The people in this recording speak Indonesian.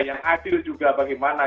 itu juga bagaimana